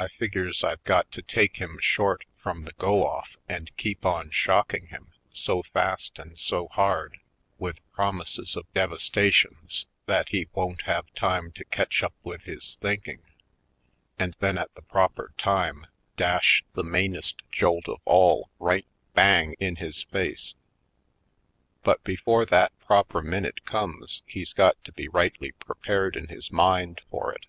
I figures I've got to take him short from the go off and keep on shocking him so fast and so hard with promises of devas tations that he won't have time to catch up with his thinking, and then at the proper time dash the mainest jolt of all right hang in his face. But before that proper minute comes he's got to be rightly prepared in his mind for it.